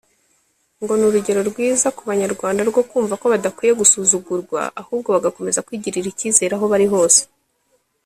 ngo ni urugero rwiza ku Banyarwanda rwo kumva ko badakwiye gusuzugurwa ahubwo bagakomeza kwigirira icyizere aho bari hose